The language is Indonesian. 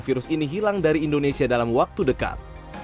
virus ini hilang dari indonesia dalam waktu dekat